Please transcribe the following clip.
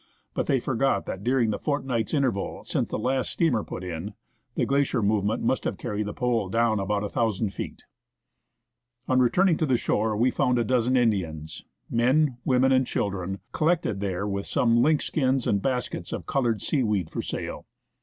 But they forgot that during the fortnight's interval since the last steamer put in, the glacier movement must have carried the pole down about 1,000 feet. On returning to the shore we founa a dozen Indians — men, INDIANS IN GLACIER BAY. women, and children — collected there, with some lynx skins and baskets of coloured seaweed for sale.